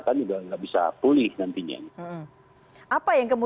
apa yang kemudian menyebabkan pemerintah daerah ini menerjemahkan kebijakan yang seharusnya baik ini